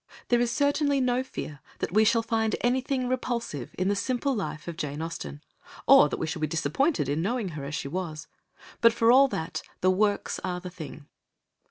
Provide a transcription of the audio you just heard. There is certainly no fear that we shall find anything repulsive in the simple life of Jane Austen, or that we shall be disappointed in knowing her as she was, but for all that the works are the thing.